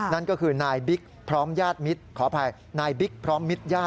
นั่นก็คือนายบิ๊กพร้อมญาติมิตร